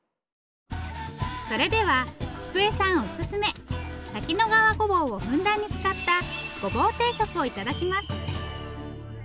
それでは喜久江さんおすすめ滝野川ごぼうをふんだんに使ったごぼう定食を頂きます。